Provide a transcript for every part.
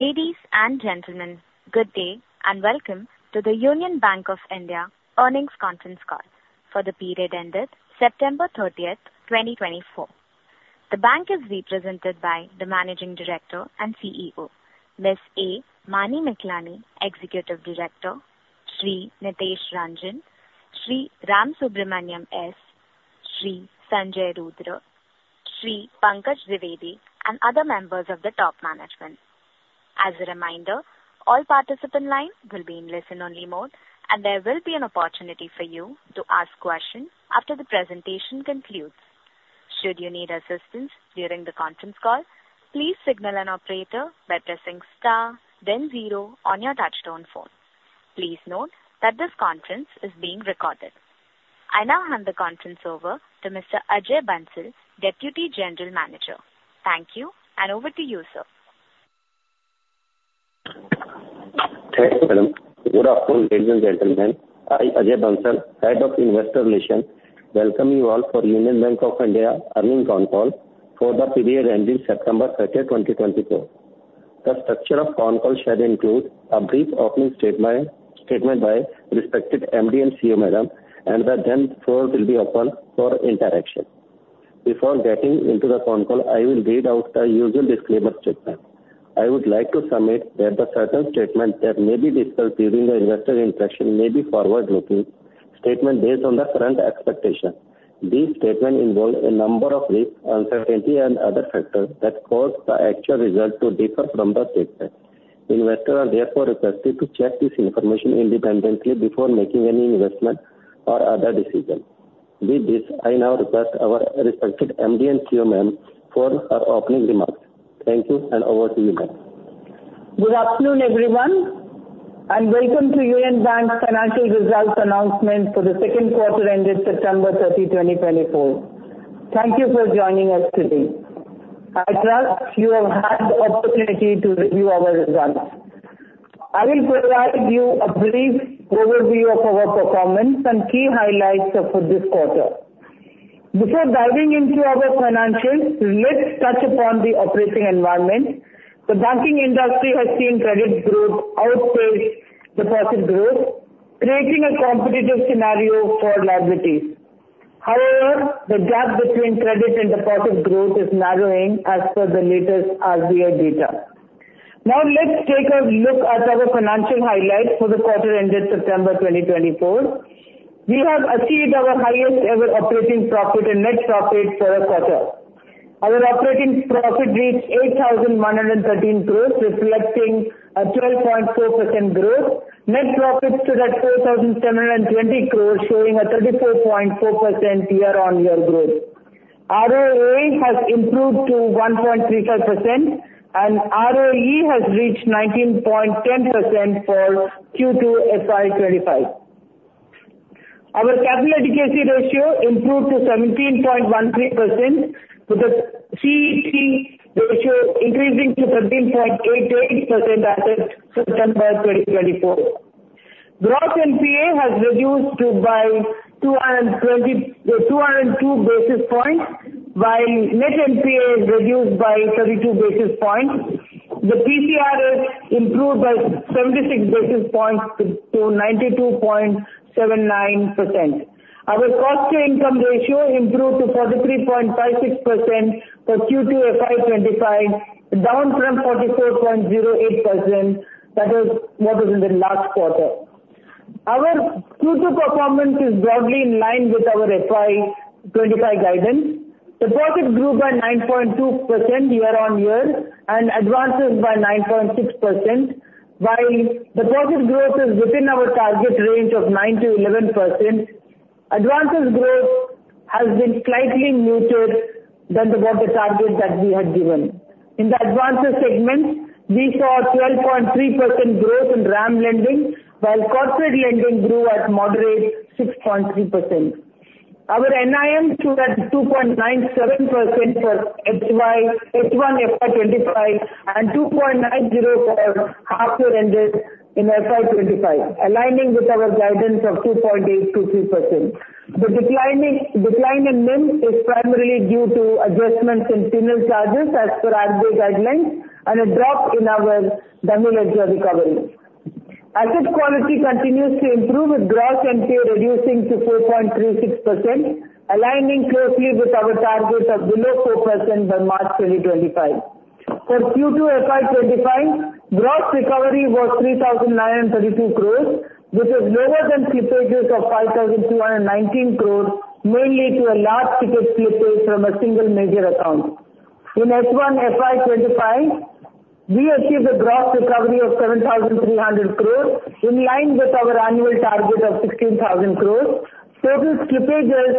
...Ladies and gentlemen, good day, and welcome to the Union Bank of India Earnings Conference Call for the period ended September thirtieth, twenty twenty-four. The bank is represented by the Managing Director and CEO, Ms. A. Manimekhalai, Executive Director, Shri Nitesh Ranjan, Shri Ramasubramanian S., Shri Sanjay Rudra, Shri Pankaj Dwivedi, and other members of the top management. As a reminder, all participant lines will be in listen-only mode, and there will be an opportunity for you to ask questions after the presentation concludes. Should you need assistance during the conference call, please signal an operator by pressing star then zero on your touchtone phone. Please note that this conference is being recorded. I now hand the conference over to Mr. Ajay Bansal, Deputy General Manager. Thank you, and over to you, sir. Thank you, madam. Good afternoon, ladies and gentlemen. I, Ajay Bansal, Head of Investor Relations, welcome you all for Union Bank of India earnings conference call for the period ending September thirtieth, twenty twenty-four. The structure of conference call shall include a brief opening statement, statement by respected MD and CEO Madam, and then the floor will be open for interaction. Before getting into the conference call, I will read out the usual disclaimer statement. I would like to submit that certain statements that may be discussed during the investor interaction may be forward-looking statements based on the current expectation. These statements involve a number of risks, uncertainties, and other factors that cause the actual results to differ from the statements. Investors are therefore requested to check this information independently before making any investment or other decisions. With this, I now request our respected MD & CEO, ma'am, for her opening remarks. Thank you, and over to you, ma'am. Good afternoon, everyone, and welcome to Union Bank's financial results announcement for the Q2 ended September thirty, 2024. Thank you for joining us today. I trust you have had the opportunity to review our results. I will provide you a brief overview of our performance and key highlights for this quarter. Before diving into our financials, let's touch upon the operating environment. The banking industry has seen credit growth outpace deposit growth, creating a competitive scenario for liabilities. However, the gap between credit and deposit growth is narrowing as per the latest RBI data. Now, let's take a look at our financial highlights for the quarter ended September thirty, 2024. We have achieved our highest ever operating profit and net profit for a quarter. Our operating profit reached 8,113 crores, reflecting a 12.4% growth. Net profit stood at 4,720 crores, showing a 34.4% year-on-year growth. ROA has improved to 1.35%, and ROE has reached 19.10% for Q2 FY 2025. Our capital adequacy ratio improved to 17.13%, with the CET1 ratio increasing to 13.88% as at September 2024. Gross NPA has reduced by two hundred and two basis points, while net NPA is reduced by thirty-two basis points. The PCR is improved by seventy-six basis points to 92.79%. Our cost-to-income ratio improved to 43.56% for Q2 FY 2025, down from 44.08%. That is, what was in the last quarter. Our Q2 performance is broadly in line with our FY 2025 guidance. Deposits grew by 9.2% year-on-year and advances by 9.6%, while deposit growth is within our target range of 9%-11%. Advances growth has been slightly muted than what the target that we had given. In the advances segment, we saw 12.3% growth in RAM lending, while corporate lending grew at moderate 6.3%. Our NIM stood at 2.97% for H1 FY 2025, and 2.90% for half year ended in FY 2025, aligning with our guidance of 2.8%-3%. The decline in NIM is primarily due to adjustments in penal charges as per RBI guidelines and a drop in our dummy ledger recovery. Asset quality continues to improve, with gross NPA reducing to 4.36%, aligning closely with our target of below 4% by March 2025. For Q2 FY 2025, gross recovery was 3,932 crores, which is lower than slippages of 5,219 crores, mainly to a large ticket slippage from a single major account. In S1 FY 2025, we achieved a gross recovery of 7,300 crores, in line with our annual target of 16,000 crores. Total slippages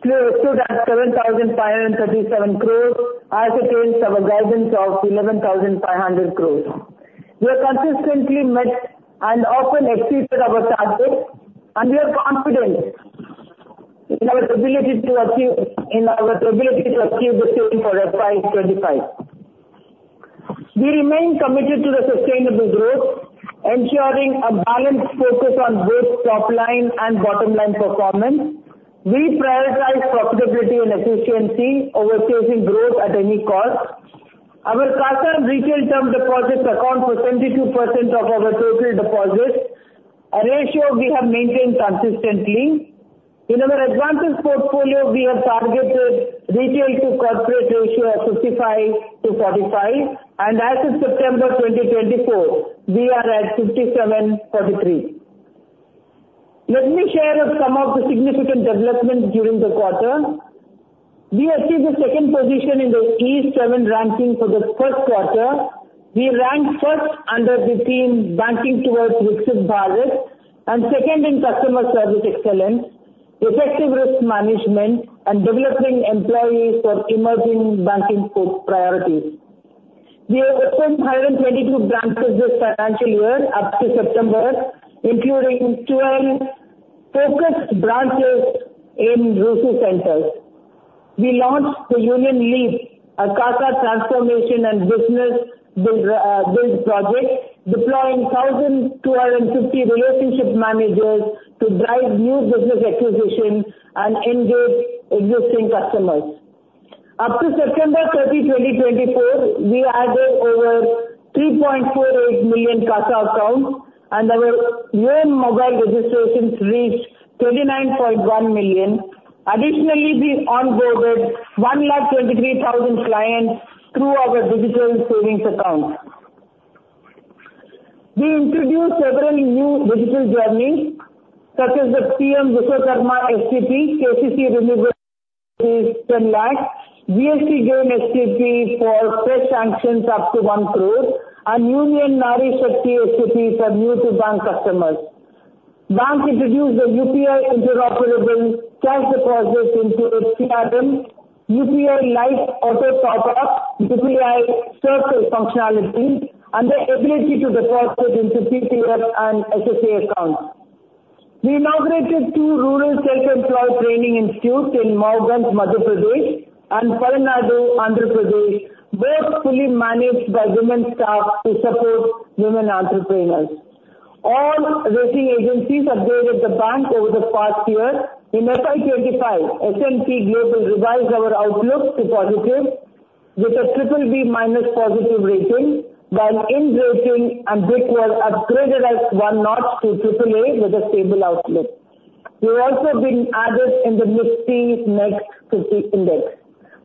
stood at 7,537 crores, as against our guidance of 11,500 crores. We have consistently met and often exceeded our targets, and we are confident in our ability to achieve the same for FY 2025. We remain committed to the sustainable-... Ensuring a balanced focus on both top line and bottom line performance. We prioritize profitability and efficiency over chasing growth at any cost. Our CASA and retail term deposits account for 72% of our total deposits, a ratio we have maintained consistently. In our advances portfolio, we have targeted retail to corporate ratio at 55 to 45, and as of September twenty twenty-four, we are at 57, 43. Let me share some of the significant developments during the quarter. We achieved the second position in the CE 7 ranking for the Q1. We ranked first under the theme banking towards Digital Bharat, and second in customer service excellence, effective risk management, and developing employees for emerging banking priorities. We have opened 122 branches this financial year up to September, including 12 focused branches in rural centers. We launched the Union Leap, a CASA transformation and business build project, deploying 1,250 relationship managers to drive new business acquisition and engage existing customers. Up to September 30, 2024, we added over 3.48 million CASA accounts, and our Vyom mobile registrations reached 29.1 million. Additionally, we onboarded 123,000 clients through our digital savings accounts. We introduced several new digital journeys, such as the PM Vishwakarma STP, KCC renewable, 10 lakhs, GST loan STP for fresh sanctions up to 1 crore, and Union Nari Shakti STP for new to bank customers. The Bank introduced the UPI interoperable cash deposits into CRM, UPI Lite auto top up, UPI Circle functionality, and the ability to deposit into PPF and SSA accounts. We inaugurated two rural self-employed training institutes in Mauganj, Madhya Pradesh and Palnadu, Andhra Pradesh, both fully managed by women staff to support women entrepreneurs. All rating agencies upgraded the bank over the past year. In FY twenty-five, S&P Global revised our outlook to positive, with a triple B minus positive rating, while IN rating and Brickwork were upgraded by one notch to triple A with a stable outlook. We've also been added in the Nifty Next 50 Index.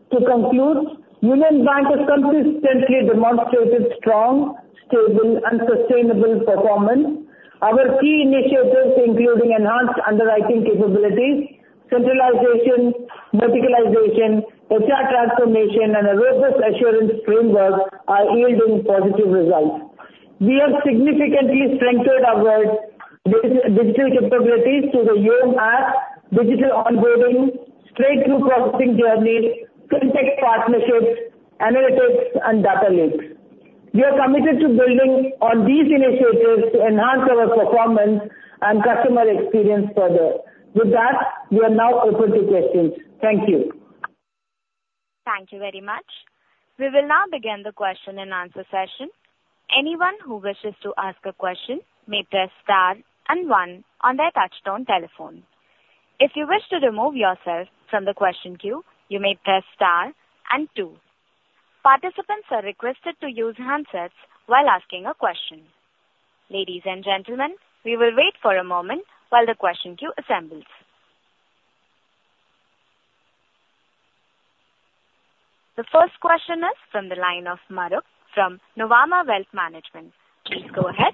To conclude, Union Bank has consistently demonstrated strong, stable, and sustainable performance. Our key initiatives, including enhanced underwriting capabilities, centralization, verticalization, CASA transformation, and a robust assurance framework, are yielding positive results. We have significantly strengthened our digital capabilities through the Vyom app, digital onboarding, straight-through processing journey, fintech partnerships, analytics, and data lakes. We are committed to building on these initiatives to enhance our performance and customer experience further. With that, we are now open to questions. Thank you. Thank you very much. We will now begin the question and answer session. Anyone who wishes to ask a question may press star and one on their touchtone telephone. If you wish to remove yourself from the question queue, you may press star and two. Participants are requested to use handsets while asking a question. Ladies and gentlemen, we will wait for a moment while the question queue assembles. The first question is from the line of Mahrukh Adajania, from Nuvama Wealth Management. Please go ahead.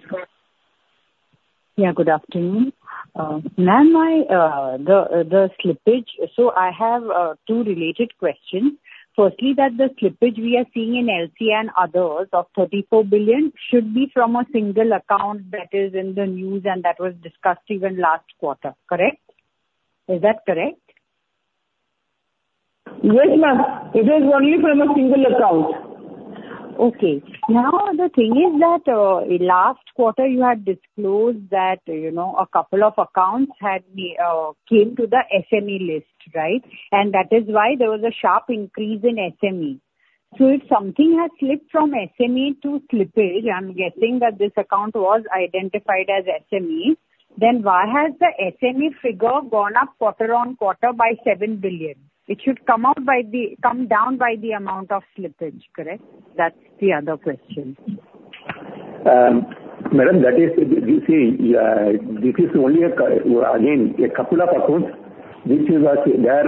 Yeah, good afternoon. Ma'am, why the slippage? So I have two related questions. Firstly, that the slippage we are seeing in LC and others of 34 billion should be from a single account that is in the news and that was discussed even last quarter, correct? Is that correct? Yes, ma'am. It is only from a single account. Okay. Now, the thing is that last quarter, you had disclosed that, you know, a couple of accounts had come to the SMA list, right? And that is why there was a sharp increase in SMA. So if something has slipped from SMA to slippage, I'm guessing that this account was identified as SMA, then why has the SMA figure gone up quarter on quarter by 7 billion? It should come down by the amount of slippage, correct? That's the other question. Madam, that is, you see, this is only a, again, a couple of accounts, which was there.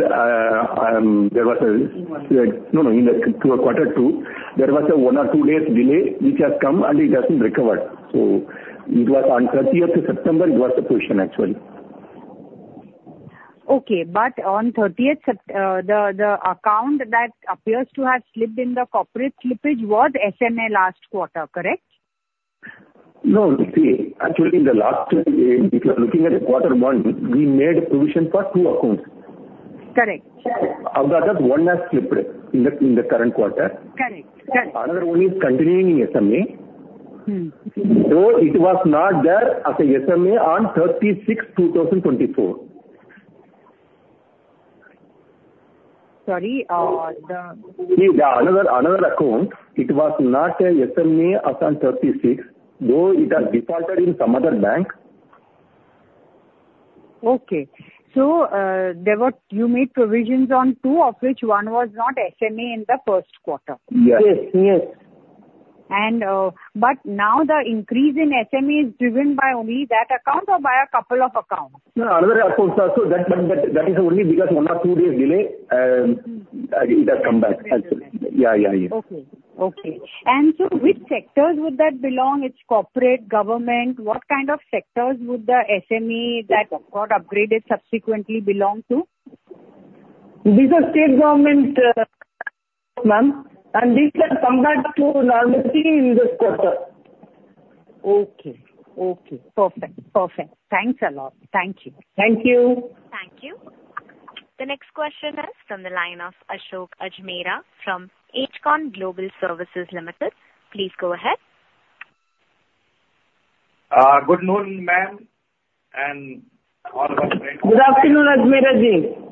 There was a one or two days delay in quarter two, which has come, and it hasn't recovered. So it was on thirtieth September. It was the position actually. Okay. But on 30th September, the account that appears to have slipped in the corporate slippage was SMA last quarter, correct? No, you see, actually, in the last, if you are looking at the quarter one, we made provision for two accounts. Correct. Out of that, one has slipped in the current quarter. Correct. Correct. Another one is continuing in SMA. Mm-hmm. It was not there as an SMA on March 31, 2024. ... Sorry, the- See, another account, it was not a SMA as on thirty-sixth, though it has defaulted in some other bank. Okay. So, you made provisions on two, of which one was not SMA in the Q1? Yes. Yes. Now the increase in SMA is driven by only that account or by a couple of accounts? No, another account also, but that is only because one or two days delay, it has come back. Yeah, yeah, yeah. And so which sectors would that belong? It's corporate, government. What kind of sectors would the SME that got upgraded subsequently belong to? These are state government, ma'am, and these have come back to normalcy in this quarter. Okay. Okay. Perfect. Perfect. Thanks a lot. Thank you. Thank you. Thank you. The next question is from the line of Ashok Ajmera, from Ajcon Global Services Limited. Please go ahead. Good morning, ma'am, and all of our friends. Good afternoon, Ajmera Ji.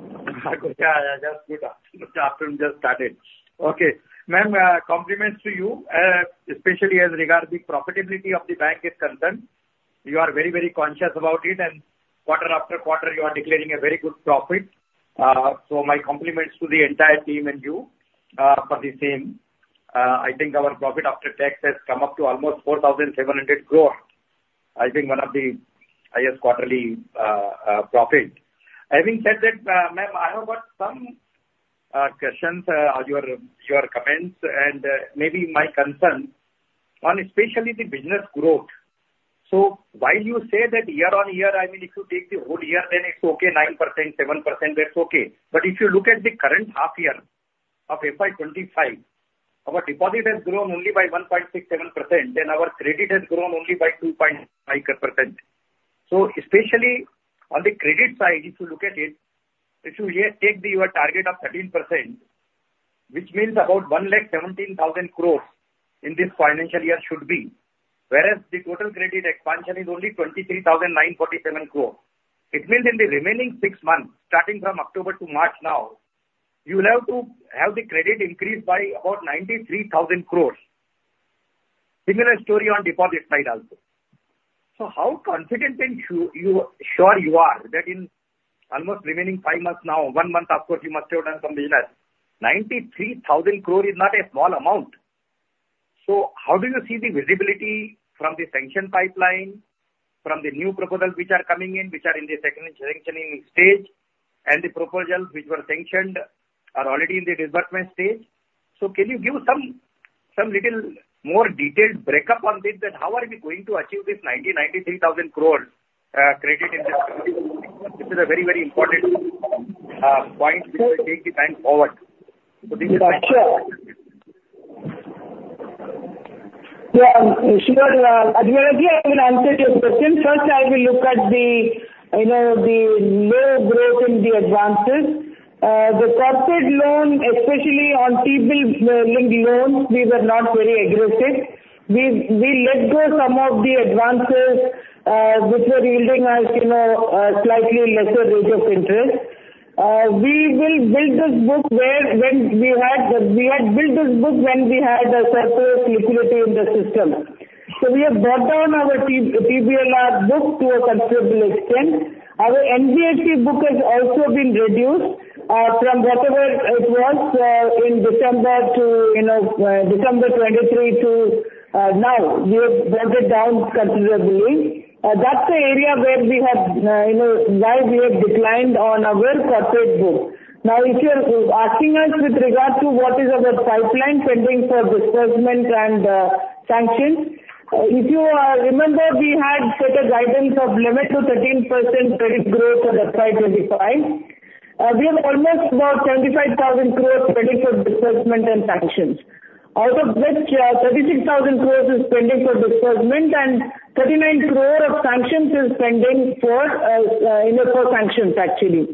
Yeah, yeah, just good afternoon. The afternoon just started. Okay. Ma'am, compliments to you, especially as regard the profitability of the bank is concerned. You are very, very conscious about it, and quarter after quarter, you are declaring a very good profit. So my compliments to the entire team and you, for the same. I think our profit after tax has come up to almost 4,700 crore. I think one of the highest quarterly profit. Having said that, ma'am, I have got some questions on your comments and maybe my concern on especially the business growth. So while you say that year on year, I mean, if you take the whole year, then it's okay, 9%, 7%, that's okay. But if you look at the current half year of FY 2025, our deposit has grown only by 1.67%, and our credit has grown only by 2.5%. So especially on the credit side, if you look at it, if you take your target of 13%, which means about 1,17,000 crore in this financial year should be, whereas the total credit expansion is only 23,947 crore. It means in the remaining six months, starting from October to March now, you will have to have the credit increase by about 93,000 crore. Similar story on deposit side also. So how confident and sure you are that in almost remaining five months now, one month, of course, you must have done some business. 93,000 crore is not a small amount. How do you see the visibility from the sanction pipeline, from the new proposals which are coming in, which are in the second sanctioning stage, and the proposals which were sanctioned are already in the disbursement stage? Can you give some little more detailed breakup on this, that how are we going to achieve this 93,000 crore credit in this? This is a very, very important point which will take the bank forward. This is my question. Sure. Yeah, sure, Ajmera Ji, I will answer your question. First, I will look at the, you know, the low growth in the advances. The corporate loan, especially on T-bill linked loans, we were not very aggressive. We, we let go some of the advances, which were yielding us, you know, a slightly lesser rate of interest. We will build this book where when we had the. We had built this book when we had a surplus liquidity in the system. So we have brought down our TBLR book to a considerable extent. Our MCLR book has also been reduced, from whatever it was, in December to, you know, December 2023 to, now. We have brought it down considerably. That's the area where we have, you know, why we have declined on our corporate book. Now, if you're asking us with regard to what is our pipeline pending for disbursement and sanctions, if you remember, we had set a guidance of limit to 13% credit growth for the FY 2025. We have almost about 25,000 crores credit for disbursement and sanctions, out of which 36,000 crores is pending for disbursement and 39 crore of sanctions is pending for, you know, for sanctions, actually.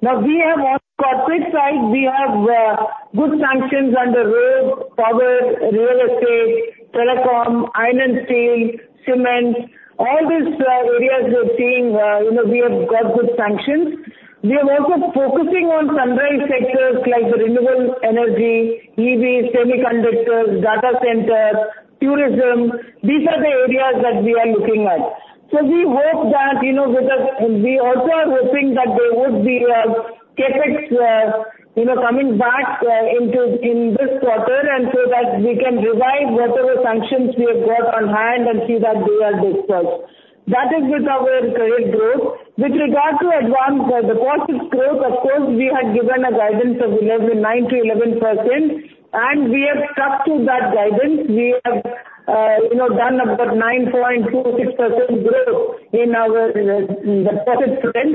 Now, we have on corporate side, we have good sanctions under road, power, real estate, telecom, iron and steel, cement, all these areas we are seeing, you know, we have got good sanctions. We are also focusing on sunrise sectors like renewable energy, EVs, semiconductors, data centers, tourism. These are the areas that we are looking at. So we hope that, you know, with the... We also are hoping that there would be CapEx, you know, coming back into this quarter, and so that we can revise whatever sanctions we have got on hand and see that they are dispersed. That is with our credit growth. With regard to advance, the corporate growth, of course, we had given a guidance of 9%-11%, and we have stuck to that guidance. We have, you know, done about 9.46% growth in our the corporate front.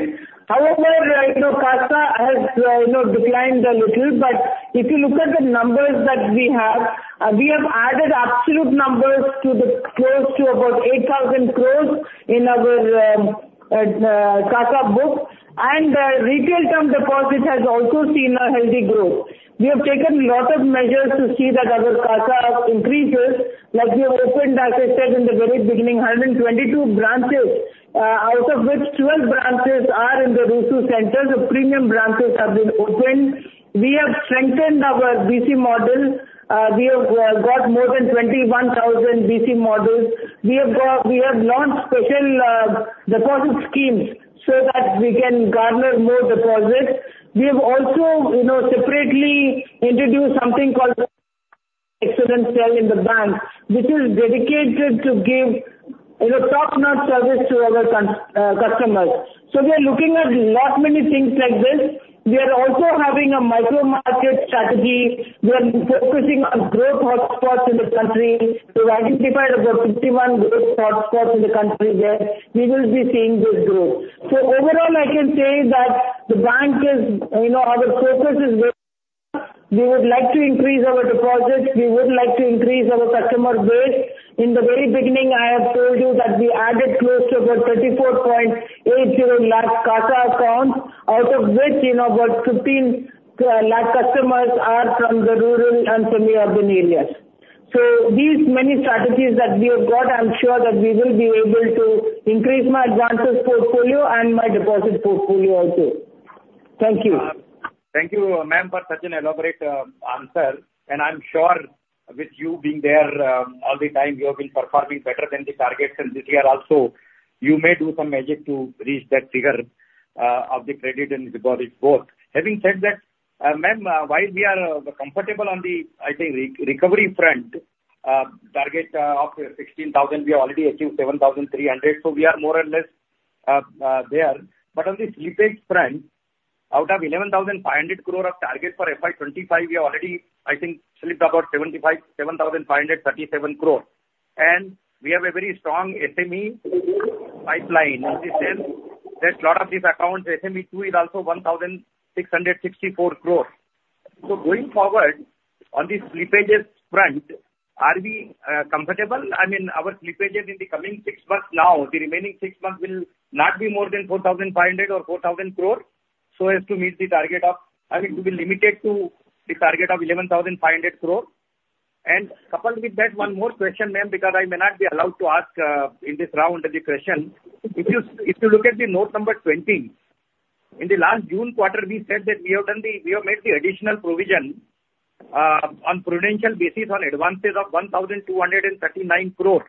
However, you know, CASA has, you know, declined a little, but if you look at the numbers that we have, we have added absolute numbers to the close to about 8,000 crores in our CASA book, and retail term deposits has also seen a healthy growth. We have taken a lot of measures to see that our CASA increases, like we have opened 122 branches, out of which 12 branches are in the metro centers, the premium branches have been opened. We have strengthened our BC model, we have got more than 21,000 BC models. We have launched special deposit schemes so that we can garner more deposits. We have also, you know, separately introduced something called Excellence Cell in the bank, which is dedicated to give, you know, top-notch service to our HNI customers. So we are looking at lot many things like this. We are also having a micro market strategy. We are focusing on growth hotspots in the country. We've identified about 51 growth hotspots in the country where we will be seeing good growth. So overall, I can say that the bank is, you know, our focus is very, we would like to increase our deposits, we would like to increase our customer base. In the very beginning, I have told you that we added close to about 34.80 lakh CASA accounts, out of which, you know, about 15 lakh customers are from the rural and semi-urban areas. So these many strategies that we have got, I'm sure that we will be able to increase my advances portfolio and my deposit portfolio also. Thank you. Thank you, ma'am, for such an elaborate answer, and I'm sure with you being there all the time, you have been performing better than the targets, and this year also, you may do some magic to reach that figure of the credit and deposit both. Having said that, ma'am, while we are comfortable on the recovery front target of 16,000, we have already achieved 7,300, so we are more or less there, but on the slippage front, out of 11,500 crore of target for FY 2025, we have already, I think, slipped about 7,537 crore, and we have a very strong SMA pipeline, which says that lot of these accounts, SMA-2 is also 1,664 crore. So going forward, on the slippages front, are we comfortable? I mean, our slippages in the coming six months now, the remaining six months will not be more than four thousand five hundred or four thousand crore, so as to meet the target of- I mean, to be limited to the target of eleven thousand five hundred crore. And coupled with that, one more question, ma'am, because I may not be allowed to ask in this round of the question: if you look at the note number twenty, in the last June quarter, we said that we have done the- we have made the additional provision on Prudential basis on advances of one thousand two hundred and thirty-nine crore,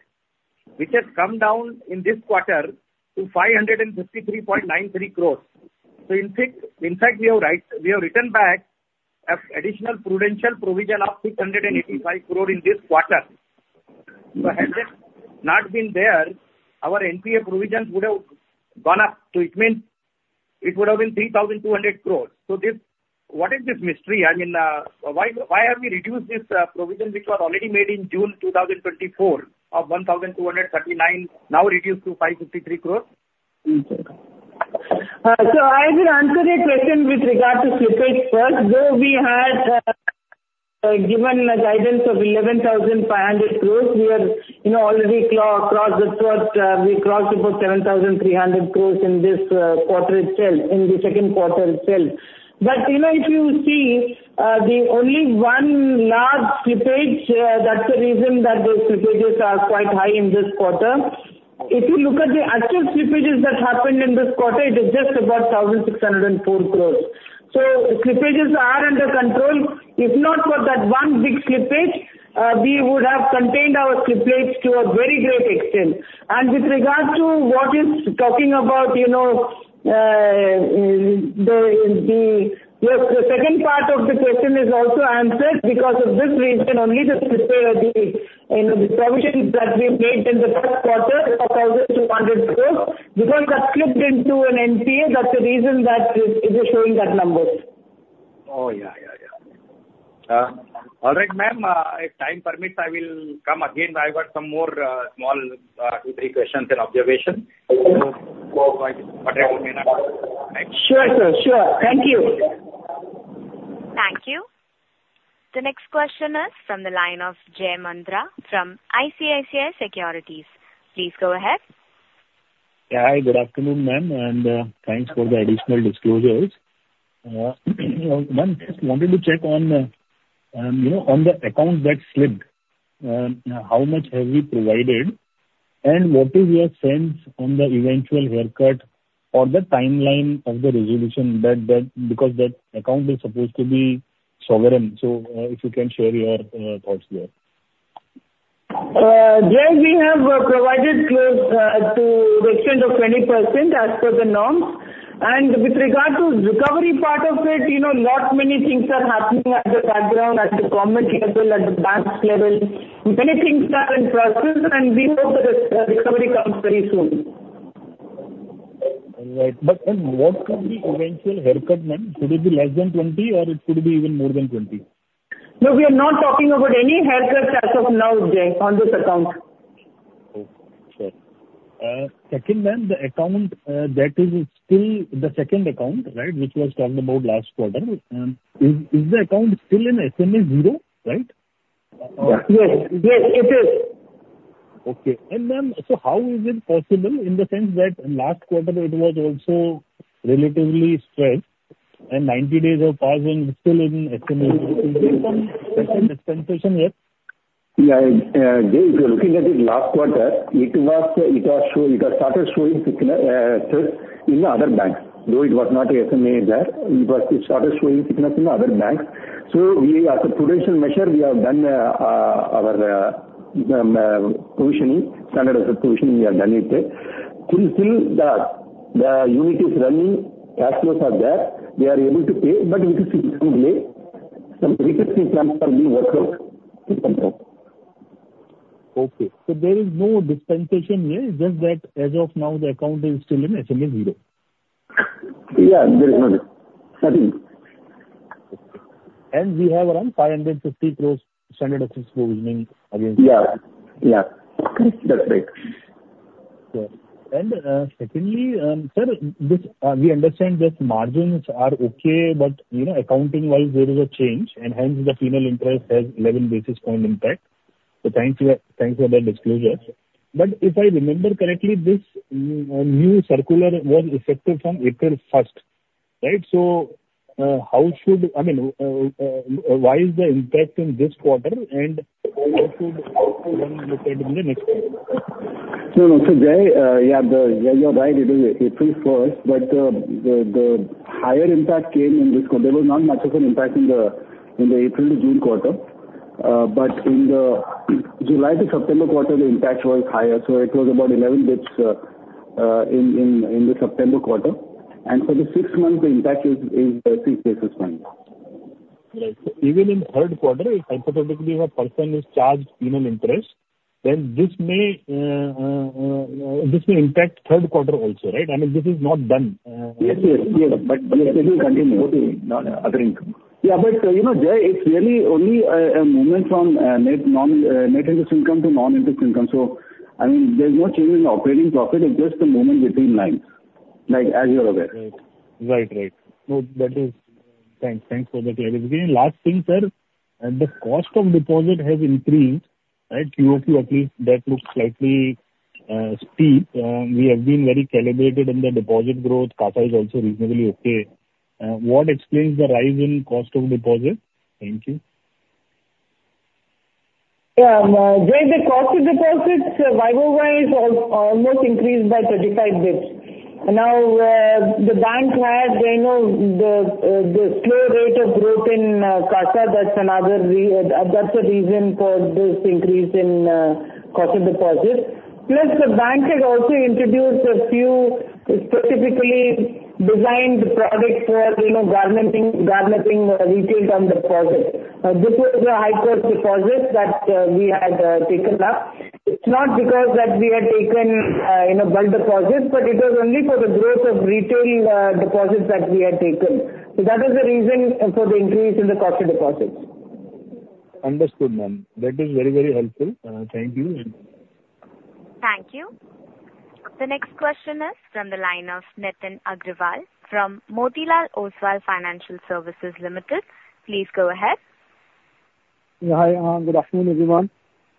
which has come down in this quarter to five hundred and fifty-three point nine three crores. In fact, we have written back an additional prudential provision of 685 crore in this quarter. So had that not been there, our NPA provisions would have gone up, so it means it would have been 3,200 crore. So this, what is this mystery? I mean, why have we reduced this provision which was already made in June two thousand and twenty-four, of 1,239, now reduced to 553 crore? So I will answer the question with regard to slippage first. Though we had given a guidance of 11,500 crores, we are, you know, already across the quarter, we crossed above 7,300 crores in this quarter itself, in the Q2 itself. But, you know, if you see, the only one large slippage, that's the reason that those slippages are quite high in this quarter. If you look at the actual slippages that happened in this quarter, it is just about 1,604 crores. So slippages are under control. If not for that one big slippage, we would have contained our slippages to a very great extent. And with regards to what is talking about, you know, the second part of the question is also answered, because of this reason only, you know, the provision that we made in the Q1 of 1,200 crores, because that slipped into an NPA, that's the reason that it is showing that numbers. Oh, yeah, yeah, yeah. All right, ma'am, if time permits, I will come again. I've got some more small two, three questions and observations. Thanks. Sure, sir. Sure. Thank you. Thank you. The next question is from the line of Jay Mundra from ICICI Securities. Please go ahead. Yeah, hi, good afternoon, ma'am, and, thanks for the additional disclosures. Ma'am, just wanted to check on, you know, on the account that slipped, how much have we provided? And what is your sense on the eventual haircut or the timeline of the resolution, because that account is supposed to be sovereign, so, if you can share your thoughts there. Jay, we have provided close to the extent of 20% as per the norms. And with regard to recovery part of it, you know, lot many things are happening at the background, at the government level, at the bank level. Many things are in process, and we hope that the recovery comes very soon. All right. But what could be the eventual haircut, ma'am? Could it be less than twenty, or it could be even more than twenty? No, we are not talking about any haircut as of now, Jay, on this account. Okay. Sure. Second, ma'am, the account that is still the second account, right? Which was talked about last quarter, is the account still in SMA zero, right? Yes. Yes, it is. Okay. And ma'am, so how is it possible, in the sense that last quarter it was also relatively stressed?... and ninety days of pause and still in SMA. Is there some dispensation yet? Yeah, Jay, if you're looking at it last quarter, it had started showing signal in the other banks, though it was not SMA there, it started showing signals in the other banks. So we, as a prudential measure, we have done our provisioning, standard of provisioning, we have done it. To fill the, the unit is running, cash flows are there, we are able to pay, but it is in some way, some recovery plans are being worked out. Okay. So there is no dispensation here, it's just that as of now, the account is still in SMA zero? Yeah, there is nothing. Nothing. We have around 550 crores standard asset provisioning against- Yeah. Yeah, that's right. Yeah. And secondly, sir, this, we understand that margins are okay, but, you know, accounting-wise, there is a change, and hence, the final interest has eleven basis point impact. So thanks for that disclosure. But if I remember correctly, this new circular was effective from April first, right? So how should... I mean, why is the impact in this quarter, and how should one look at it in the next quarter? No, no. So, Jay, yeah, yeah, you're right, it is April first, but the higher impact came in this quarter. There was not much of an impact in the April to June quarter. But in the July to September quarter, the impact was higher, so it was about 11 basis points in the September quarter. And for the sixth month, the impact is six basis points. Right. So even in Q3, if hypothetically, a person is charged minimal interest, then this may impact Q3 also, right? I mean, this is not done. Yes, yes, yes. But it will continue to be other income. Yeah, but, you know, Jay, it's really only a movement from net interest income to non-interest income. So, I mean, there's no change in the operating profit, it's just a movement between lines, like, as you're aware. Right. Thanks for the clarification. Last thing, sir, the cost of deposit has increased, right? QoQ, at least, that looks slightly steep. We have been very calibrated in the deposit growth. CASA is also reasonably okay. What explains the rise in cost of deposit? Thank you. Jay, the cost of deposits, YOY has almost increased by 35 basis points. Now, the bank had, you know, the slow rate of growth in CASA, that's another reason for this increase in cost of deposits. Plus, the bank had also introduced a few specifically designed products for, you know, garnering retail term deposits. This was the high-growth deposits that we had taken up. It's not because that we had taken, you know, bulk deposits, but it was only for the growth of retail deposits that we had taken. So that is the reason for the increase in the cost of deposits. Understood, ma'am. That is very, very helpful. Thank you. Thank you. The next question is from the line of Nitin Aggarwal from Motilal Oswal Financial Services Limited. Please go ahead. Yeah, hi, good afternoon, everyone.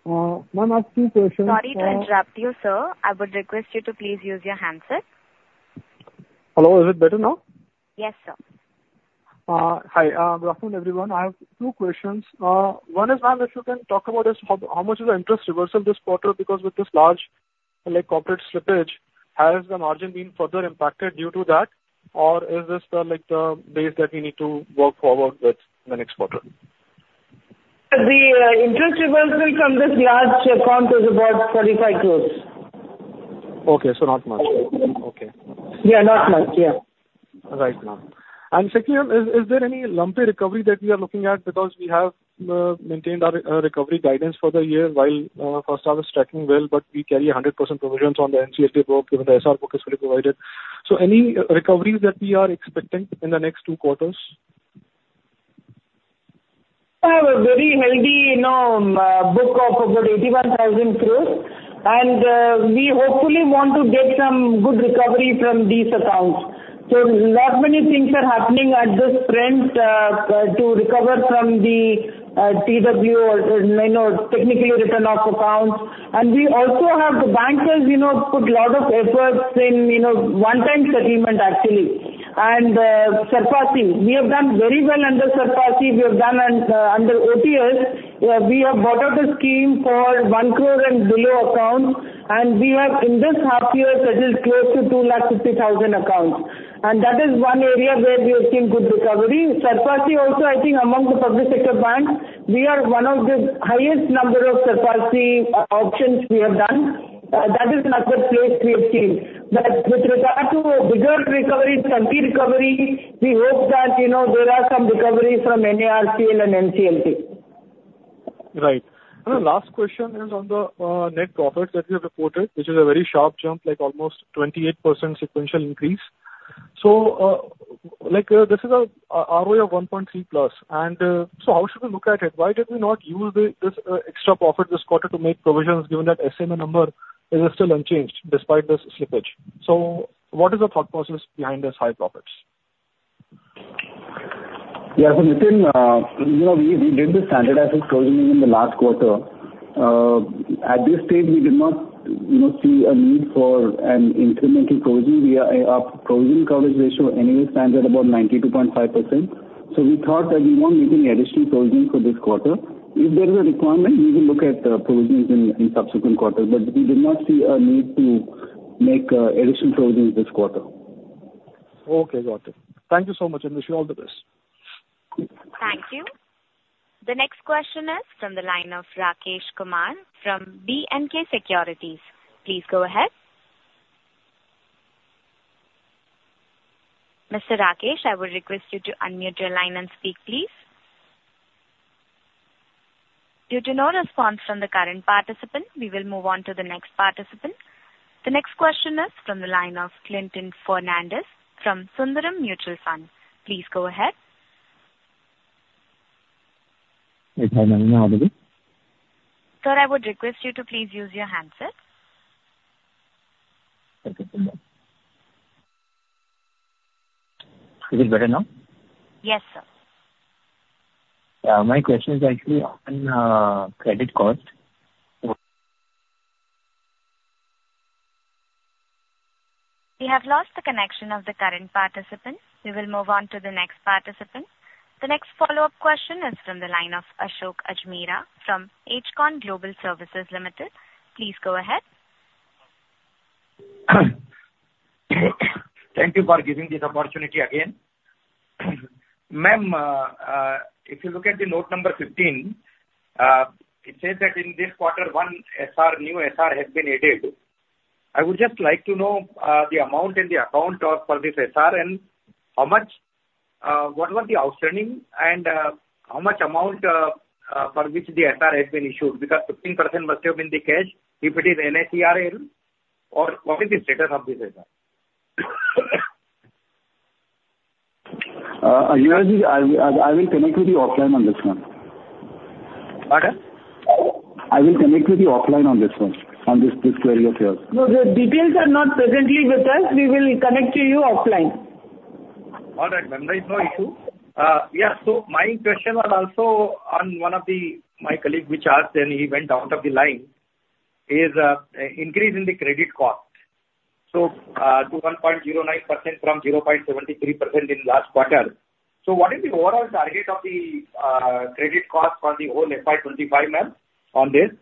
Ma'am, I have two questions- Sorry to interrupt you, sir. I would request you to please use your handset. Hello, is it better now? Yes, sir. Hi, good afternoon, everyone. I have two questions. One is, ma'am, if you can talk about how much is the interest reversal this quarter? Because with this large, like, corporate slippage, has the margin been further impacted due to that, or is this the, like, the base that we need to work forward with in the next quarter? The interest reversal from this large account is about 35 crores. Okay, so not much. Okay. Yeah, not much, yeah. Right, ma'am. And secondly, ma'am, is there any lumpy recovery that we are looking at? Because we have maintained our recovery guidance for the year, while first half is tracking well, but we carry 100% provisions on the NCFA book, given the SR book is fully provided. So any recoveries that we are expecting in the next two quarters? We have a very healthy, you know, book of about 81,000 crores, and we hopefully want to get some good recovery from these accounts. So not many things are happening at this front to recover from the TW, or, you know, technically written off accounts. And we also have the bankers, you know, put a lot of efforts in, you know, one-time settlement, actually. And SARFAESI, we have done very well under SARFAESI. We have done under OTS, we have brought out a scheme for one crore and below accounts, and we have, in this half year, settled close to 250,000 accounts. And that is one area where we are seeing good recovery. SARFAESI also, I think among the public sector banks, we are one of the highest number of SARFAESI options we have done. That is another place we have seen. But with regard to bigger recoveries, lumpy recovery, we hope that, you know, there are some recoveries from NARCL and NCLT. Right. And the last question is on the net profits that you have reported, which is a very sharp jump, like almost 28% sequential increase. So, like, this is a ROE of 1.3 plus, and so how should we look at it? Why did we not use this extra profit this quarter to make provisions, given that SMA number is still unchanged despite this slippage? So what is the thought process behind this high profits? Yeah, so Nitin, you know, we did the standardized provisioning in the last quarter. At this stage, we did not, you know, see a need for an incremental provision. Our provision coverage ratio anyway stands at about 92.5%. So we thought that we won't make any additional provision for this quarter. If there is a requirement, we will look at provisions in subsequent quarters, but we did not see a need to make additional provisions this quarter. Okay, got it. Thank you so much, and wish you all the best. Thank you. The next question is from the line of Rakesh Kumar from B&K Securities. Please go ahead. Mr. Rakesh, I would request you to unmute your line and speak, please. Due to no response from the current participant, we will move on to the next participant. The next question is from the line of Clyton Fernandes from Sundaram Mutual Fund. Please go ahead. Hi, ma'am. I'm audible? Sir, I would request you to please use your handset. Okay, thank you. Is it better now? Yes, sir. My question is actually on credit cost. We have lost the connection of the current participant. We will move on to the next participant. The next follow-up question is from the line of Ashok Ajmera from Ajcon Global Services Limited. Please go ahead. Thank you for giving this opportunity again. Ma'am, if you look at the note number 15, it says that in this quarter, one SR, new SR has been added. I would just like to know, the amount in the account of for this SR, and how much... What were the outstanding and, how much amount, for which the SR has been issued? Because 15% must have been the cash, if it is NARCL, or what is the status of this SR? Ajmera, I will connect with you offline on this one. Pardon? I will connect with you offline on this one, this query of yours. No, the details are not presently with us. We will connect to you offline. All right, ma'am, there is no issue. Yeah, so my question was also on one of the, my colleague, which asked and he went out of the line, is, increase in the credit cost. So, to 1.09% from 0.73% in last quarter. So what is the overall target of the, credit cost for the whole FY 2025, ma'am, on this?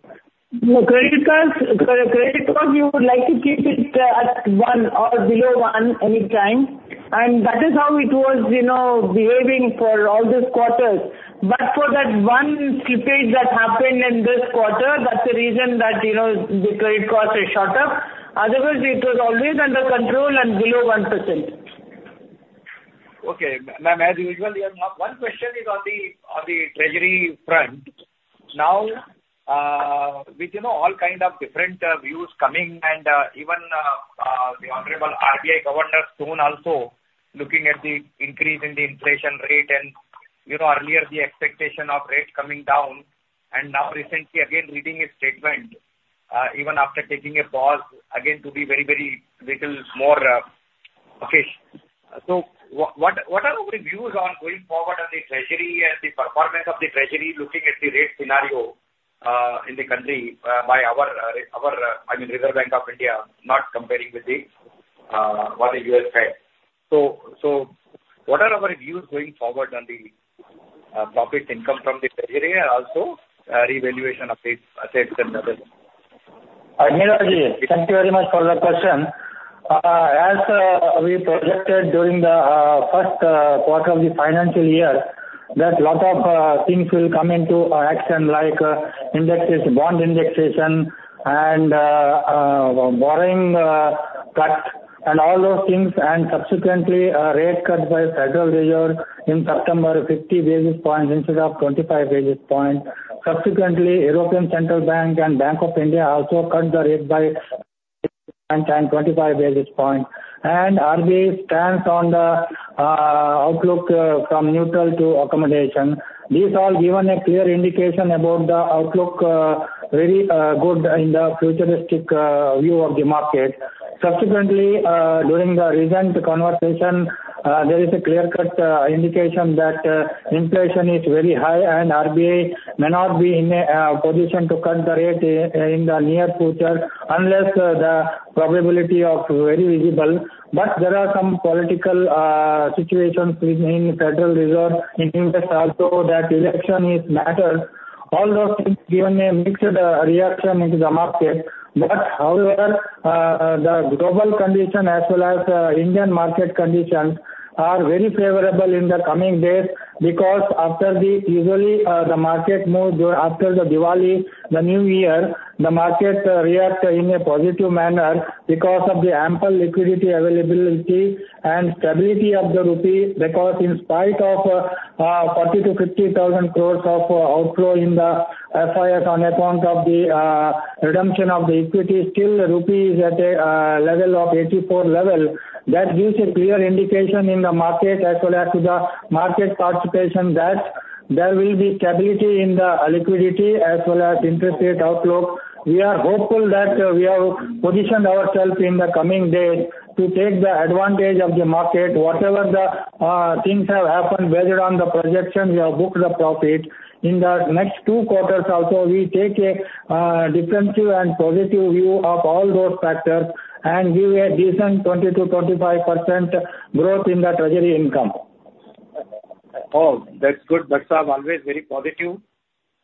No, credit cost, we would like to keep it at one or below one anytime, and that is how it was, you know, behaving for all this quarters. But for that one slippage that happened in this quarter, that's the reason that, you know, the credit cost has shot up. Otherwise, it was always under control and below 1%. Okay. Ma'am, as usual, you have one question on the treasury front. Now, with, you know, all kind of different views coming and even the honorable RBI governor soon also looking at the increase in the inflation rate and, you know, earlier the expectation of rates coming down, and now recently again reading a statement even after taking a pause, again, to be very, very little more, okay. So what are our views on going forward on the treasury and the performance of the treasury, looking at the rate scenario in the country by our I mean Reserve Bank of India, not comparing with what the US has? What are our views going forward on the profit income from the treasury and also revaluation of the assets and others? Ajmera, thank you very much for the question. As we projected during the Q1 of the financial year, that lot of things will come into action, like indexation, bond indexation and borrowing cut and all those things, and subsequently, a rate cut by Federal Reserve in September, 50 basis points instead of 25 basis points. Subsequently, European Central Bank and RBI also cut the rate by 25 and 50 basis points. RBI stands on the outlook from neutral to accommodation. These all given a clear indication about the outlook, very good in the futuristic view of the market. Subsequently, during the recent conversation, there is a clear-cut indication that inflation is very high, and RBI may not be in a position to cut the rate in the near future unless the probability of very visible. But there are some political situations within Federal Reserve in India also, that election is matter. All those things given a mixed reaction into the market. But however, the global condition as well as Indian market conditions are very favorable in the coming days, because after the, usually, the market move after the Diwali, the New Year, the market react in a positive manner because of the ample liquidity availability and stability of the rupee, because in spite of 40,000-50,000 crores of outflow in the FY on account of the... redemption of the equity, still the rupee is at a level of 84 level. That gives a clear indication in the market as well as to the market participation, that there will be stability in the liquidity as well as interest rate outlook. We are hopeful that we have positioned ourselves in the coming days to take the advantage of the market. Whatever the things have happened, whether on the projection, we have booked the profit. In the next two quarters also, we take a defensive and positive view of all those factors and give a decent 20%-25% growth in the treasury income. Oh, that's good, Dakar, always very positive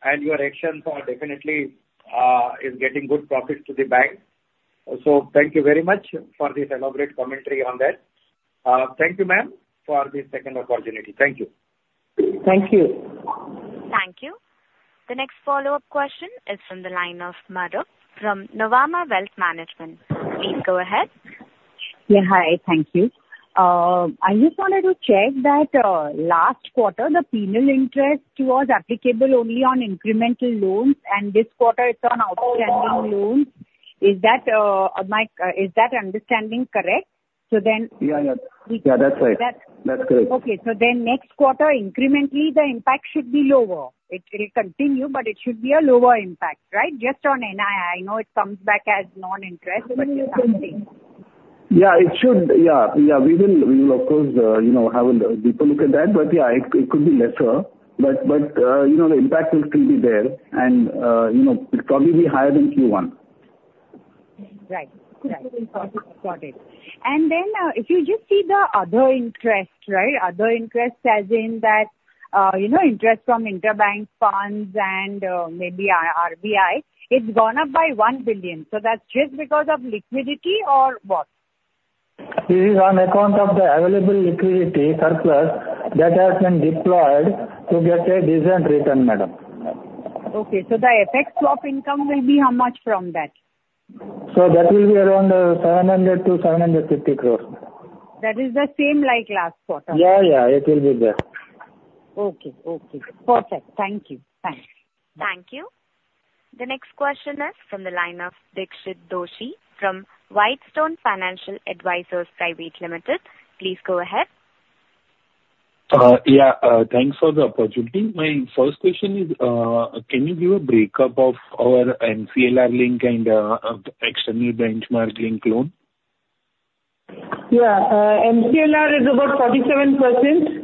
and your actions are definitely is getting good profits to the bank. So thank you very much for this elaborate commentary on that. Thank you, ma'am, for this second opportunity. Thank you. Thank you. Thank you. The next follow-up question is from the line of, [unintelligible] from Nuvama Wealth Management. Please go ahead. Yeah, hi. Thank you. I just wanted to check that, last quarter, the penal interest was applicable only on incremental loans and this quarter it's on outstanding loans. Is that understanding correct? So then- Yeah, yeah. Yeah, that's right. That's- That's correct. Okay, so then next quarter, incrementally, the impact should be lower. It will continue, but it should be a lower impact, right? Just on NII, I know it comes back as non-interest, but just checking. Yeah, it should. Yeah, we will, of course, you know, have a deeper look at that, but yeah, it could be lesser. But, you know, the impact will still be there and, you know, it's probably higher than Q1. Right. Right. Got it. And then, if you just see the other interest, right? Other interest as in that, you know, interest from interbank funds and, maybe, RBI, it's gone up by 1 billion. So that's just because of liquidity or what? It is on account of the available liquidity surplus that has been deployed to get a decent return, madam. Okay, so the effect of income will be how much from that? So that will be around 700-750 crores. That is the same like last quarter? Yeah, yeah, it will be there. Okay. Okay, perfect. Thank you. Thanks. Thank you. The next question is from the line of Dixit Doshi from Whitestone Financial Advisors Private Limited. Please go ahead. Yeah, thanks for the opportunity. My first question is, can you give a break-up of our MCLR-linked and external benchmark-linked loans? Yeah, MCLR is about 47%.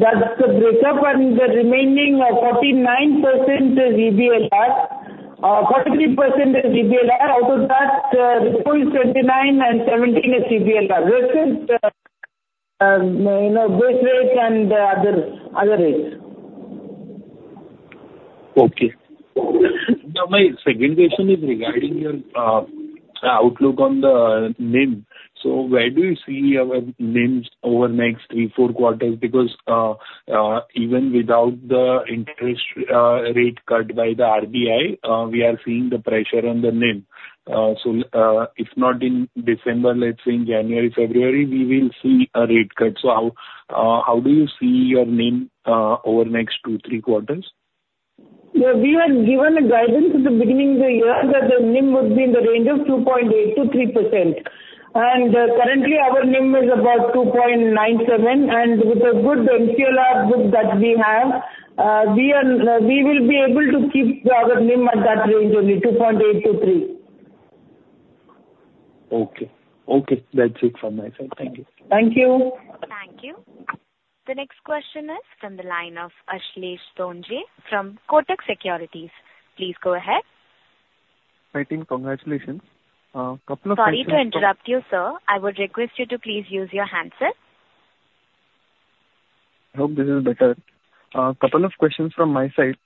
That's the breakup, and the remaining 49% is EBLR, 43% is EBLR. Out of that, full 29 and 17 is EBLR. The rest is, you know, base rate and other rates. Okay. Now, my second question is regarding your outlook on the NIM. So where do you see our NIMs over the next three, four quarters? Because even without the interest rate cut by the RBI, we are seeing the pressure on the NIM. So if not in December, let's say in January, February, we will see a rate cut. So how do you see your NIM over the next two, three quarters? Yeah, we had given a guidance at the beginning of the year that the NIM would be in the range of 2.8%-3%. And currently, our NIM is about 2.97%, and with a good MCLR group that we have, we will be able to keep our NIM at that range only, 2.8%-3%. Okay. Okay, that's it from my side. Thank you. Thank you. Thank you. The next question is from the line of Ashlesh Sonje from Kotak Securities. Please go ahead. Hi, team, congratulations. Couple of questions- Sorry to interrupt you, sir. I would request you to please use your handset. I hope this is better. Couple of questions from my side.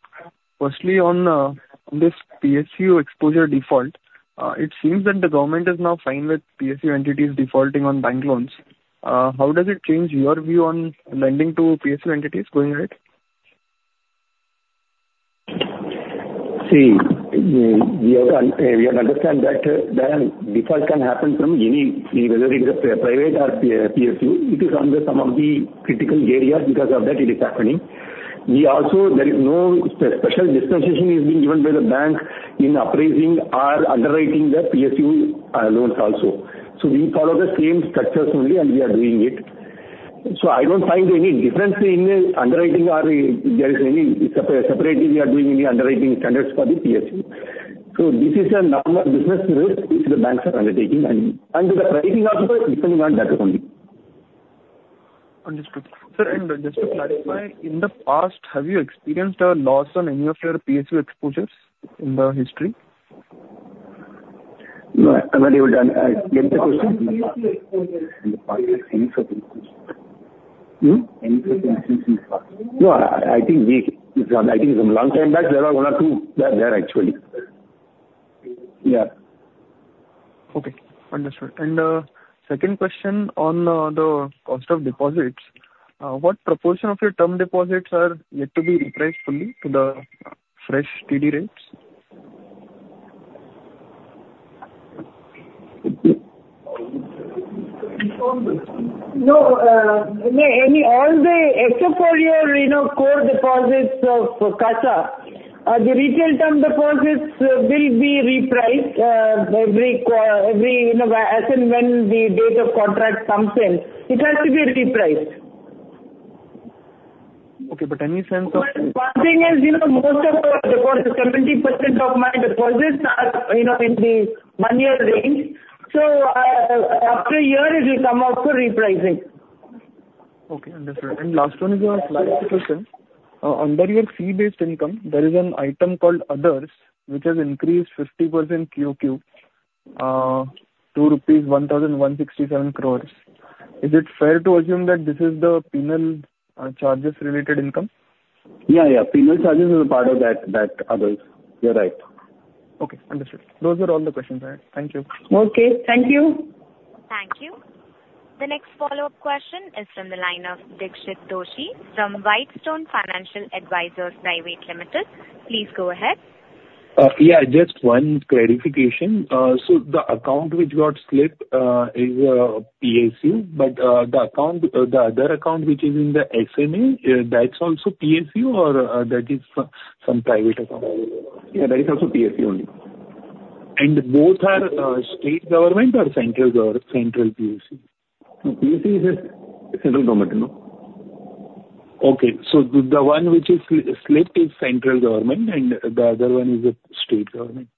Firstly, on this PSU exposure default, it seems that the government is now fine with PSU entities defaulting on bank loans. How does it change your view on lending to PSU entities going ahead? See, we have to understand that the default can happen from any, whether in the private or PSU. It is under some of the critical areas because of that it is happening. We also. There is no special dispensation is being given by the bank in appraising or underwriting the PSU loans also. So we follow the same structures only, and we are doing it. So I don't find any difference in underwriting or if there is any separate, separately we are doing any underwriting standards for the PSU. So this is a normal business risk which the banks are undertaking, and the pricing also is depending on that only. Understood. Sir, and just to clarify, in the past, have you experienced a loss on any of your PSU exposures in the history? No, I'm not able to get the question. PSU exposures. Hmm? Any PSU exposure in the past? No, I think some long time back, there were one or two there, actually. Yeah. Okay, understood. And second question on the cost of deposits. What proportion of your term deposits are yet to be repriced fully to the fresh TD rates?... No, any, all the extra for your, you know, core deposits of CASA, the retail term deposits will be repriced, every, you know, as and when the date of contract comes in, it has to be repriced. Okay, but any sense of- But one thing is, you know, most of our deposits, 70% of my deposits are, you know, in the one-year range. So, after a year it will come up for repricing. Okay, understood. And last one is on my question. Under your fee-based income, there is an item called others, which has increased 50% QQ to 1,167 crores. Is it fair to assume that this is the penal charges related income? Yeah, yeah. Penal charges is a part of that, that others. You're right. Okay, understood. Those were all the questions I had. Thank you. Okay, thank you. Thank you. The next follow-up question is from the line of Dixit Doshi from Whitestone Financial Advisors Private Limited. Please go ahead. Yeah, just one clarification. So the account which got slipped is PSU, but the account, the other account, which is in the SMA, that's also PSU or that is some private account? Yeah, that is also PSU only. And both are state government or central government, central PSU? PSU is a central government, you know. Okay, so the one which is slipped is central government, and the other one is a state government.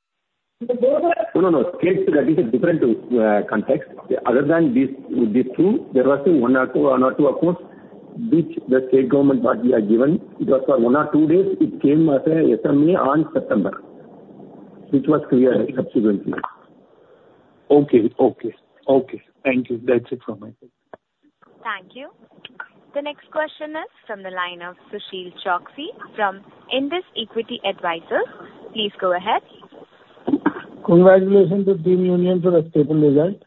The both are- No, no, no. State, that is a different context. Other than these, these two, there were some one or two, one or two accounts which the state government what we are given. It was for one or two days, it came as a SMA on September, which was cleared subsequently. Okay. Thank you. That's it from my side. Thank you. The next question is from the line of Sushil Choksey from Indus Equity Advisors. Please go ahead. Congratulations to Team Union for a stable result.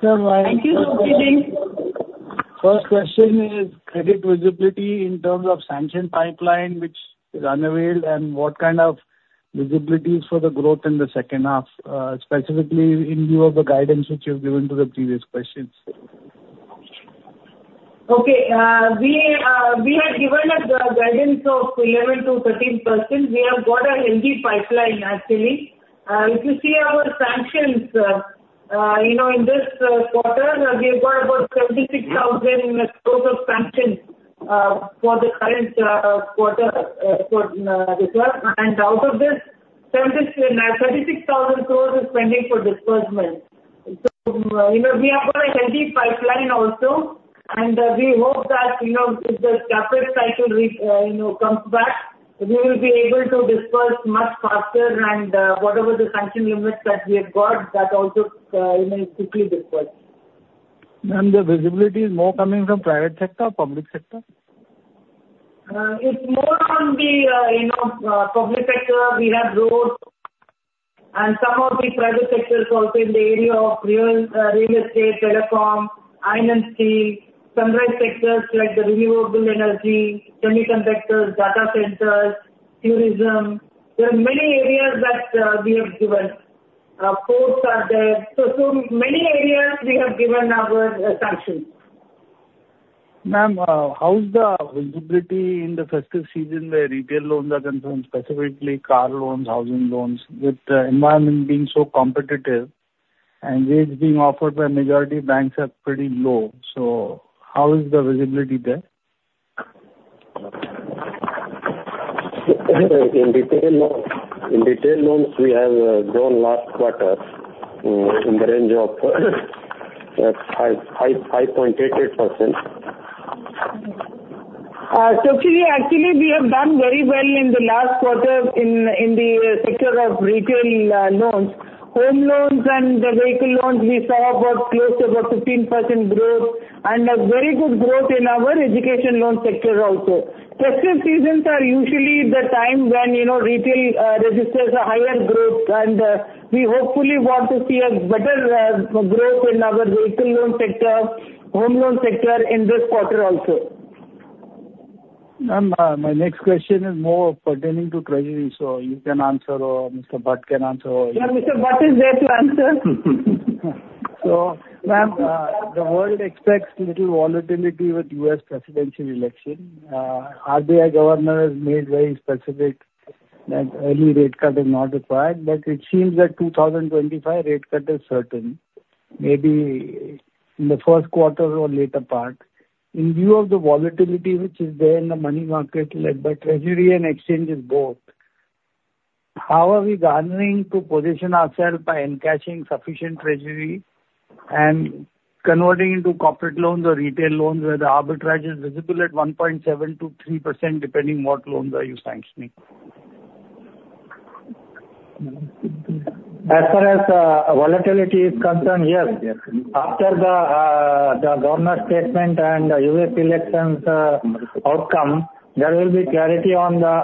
Thank you, Sushil. First question is credit visibility in terms of sanction pipeline which is unavailable, and what kind of visibility for the growth in the second half, specifically in view of the guidance which you've given to the previous questions? Okay, we have given a guidance of 11%-13%. We have got a healthy pipeline, actually. If you see our sanctions, you know, in this quarter, we've got about 76,000 crore of sanctions for the current quarter for this year. And out of this, 73,600 crore is pending for disbursement. So, you know, we have got a healthy pipeline also, and we hope that, you know, if the capital cycle comes back, we will be able to disburse much faster and whatever the sanction limits that we have got, that also, you know, quickly disburse. Ma'am, the visibility is more coming from private sector or public sector? It's more on the, you know, public sector. We have growth and some of the private sectors also in the area of real estate, telecom, INFC, sunrise sectors like the renewable energy, semiconductors, data centers, tourism. There are many areas that we have given. Ports are there. So, so many areas we have given our sanctions. Ma'am, how is the visibility in the festive season, where retail loans are concerned, specifically car loans, housing loans, with the environment being so competitive and rates being offered by majority banks are pretty low, so how is the visibility there? In retail loans, we have grown last quarter in the range of 5.88%. Sushil, actually, we have done very well in the last quarter in the sector of retail loans. Home loans and the vehicle loans, we saw about close to 15% growth and a very good growth in our education loan sector also. Festive seasons are usually the time when, you know, retail registers a higher growth, and we hopefully want to see a better growth in our vehicle loan sector, home loan sector in this quarter also. Ma'am, my next question is more pertaining to treasury, so you can answer or Mr. Bansal can answer. Yeah, Mr. Bansal is there to answer. Ma'am, the world expects little volatility with US presidential election. RBI governor has made very specific that early rate cut is not required, but it seems that 2025 rate cut is certain, maybe in the Q1 or later part. In view of the volatility which is there in the money market, like by treasury and exchanges both, how are we garnering to position ourself by encashing sufficient treasury and converting into corporate loans or retail loans, where the arbitrage is visible at 1.7%-3%, depending what loans are you sanctioning? ...As far as volatility is concerned, yes, after the government statement and the U.S. elections outcome, there will be clarity on the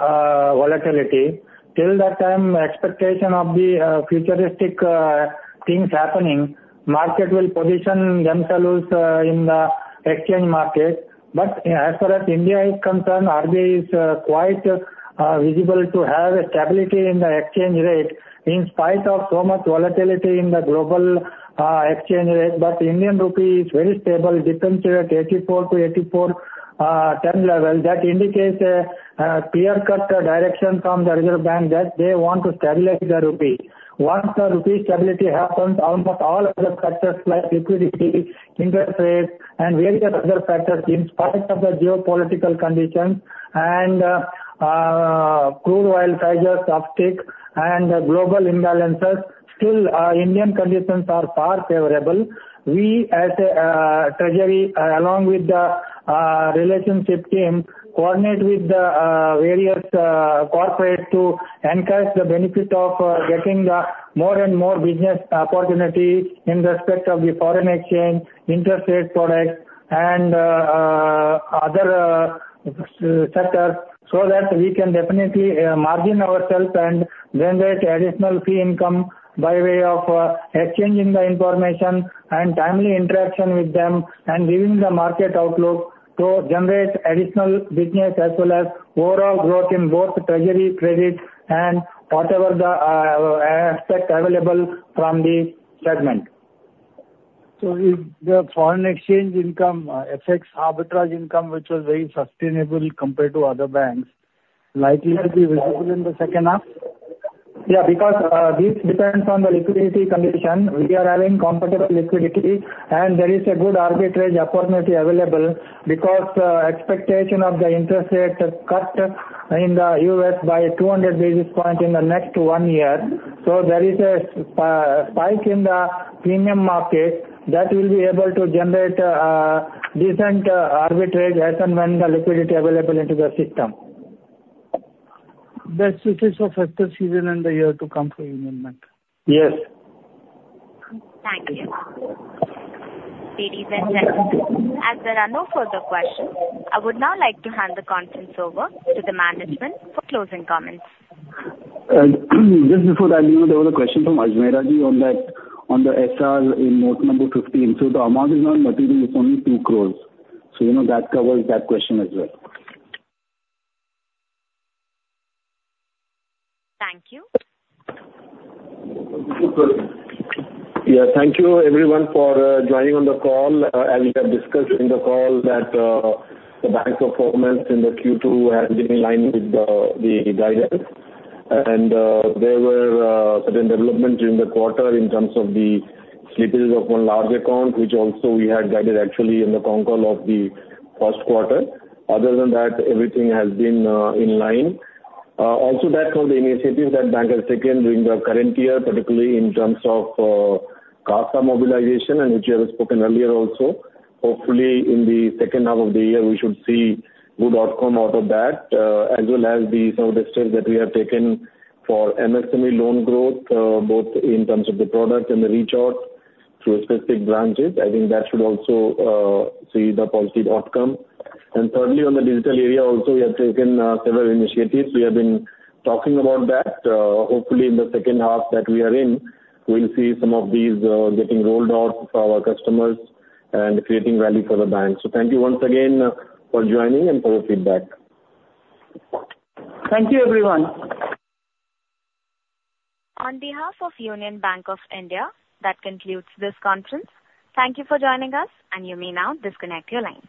volatility. Till that time, expectation of the futuristic things happening, market will position themselves in the exchange market, but as far as India is concerned, RBI is quite vigilant to have a stability in the exchange rate in spite of so much volatility in the global exchange rate, but the Indian rupee is very stable, depreciated to 84-84.10 level. That indicates a clear-cut direction from the Reserve Bank that they want to stabilize the rupee. Once the rupee stability happens, almost all other factors like liquidity, interest rates, and various other factors, in spite of the geopolitical conditions and crude oil prices uptick and global imbalances, still Indian conditions are far favorable. We at treasury, along with the relationship team, coordinate with the various corporates to encourage the benefit of getting the more and more business opportunities in respect of the foreign exchange, interest rate products and other sectors, so that we can definitely margin ourselves and generate additional fee income by way of exchanging the information and timely interaction with them, and giving the market outlook to generate additional business, as well as overall growth in both treasury credit and whatever the aspect available from the segment. The foreign exchange income affects arbitrage income, which was very sustainable compared to other banks, likely to be visible in the second half? Yeah, because this depends on the liquidity condition. We are having comfortable liquidity, and there is a good arbitrage opportunity available because expectation of the interest rates are cut in the US by 200 basis points in the next one year. So there is a spike in the premium market that will be able to generate decent arbitrage as and when the liquidity available into the system. That this is the first season and the year to come for Union Bank. Yes. Thank you. Ladies and gentlemen, as there are no further questions, I would now like to hand the conference over to the management for closing comments. Just before that, you know, there was a question from Ajmera Ji on that, on the SR in note number fifteen. So, you know, that covers that question as well. Thank you. Yeah. Thank you, everyone, for joining on the call. As we have discussed in the call that the bank's performance in the Q2 has been in line with the guidance. And there were certain development during the quarter in terms of the slippage of one large account, which also we had guided actually in the con call of the Q1. Other than that, everything has been in line. Also that all the initiatives that bank has taken during the current year, particularly in terms of CASA mobilization and which we have spoken earlier also. Hopefully, in the second half of the year, we should see good outcome out of that, as well as and some of the steps that we have taken for MSME loan growth, both in terms of the product and the reach out through specific branches. I think that should also see the positive outcome. And thirdly, on the digital area also, we have taken several initiatives. We have been talking about that. Hopefully, in the second half that we are in, we'll see some of these getting rolled out for our customers and creating value for the bank. So thank you once again for joining and for your feedback. Thank you, everyone. On behalf of Union Bank of India, that concludes this conference. Thank you for joining us, and you may now disconnect your lines.